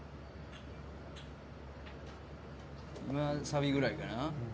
今サビぐらいかな。